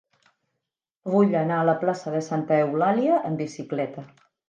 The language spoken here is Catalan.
Vull anar a la plaça de Santa Eulàlia amb bicicleta.